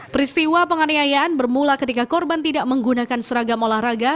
peristiwa penganiayaan bermula ketika korban tidak menggunakan seragam olahraga